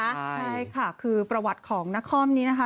ใช่ค่ะคือประวัติของนครนี้นะคะ